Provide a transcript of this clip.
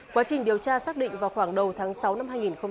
quá trình điều tra xác định vào khoảng đầu tháng sáu năm hai nghìn hai mươi